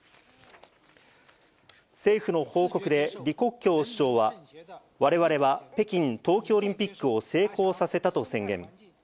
政府の報告で、李克強首相は、われわれは、北京冬季オリンピックを成功させたと宣言。